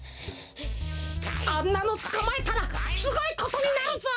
あんなのつかまえたらすごいことになるぞ！